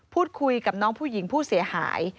พูดคุยกับน้องผู้หญิงผู้เสียหาย